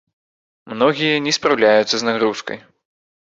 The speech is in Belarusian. Многія не спраўляюцца з нагрузкай.